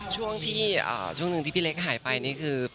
ช่วงหนึ่งที่พี่เล็กหายไปนี่คือ